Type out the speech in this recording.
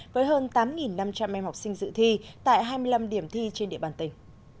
với hơn tám năm trăm linh em học sinh dự thi tại hai mươi năm điểm thi trên địa bàn tỉnh